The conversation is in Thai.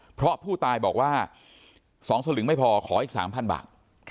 เพราะผู้ตายบอกว่า๒สลึงไม่พอขออีก๓๐๐บาท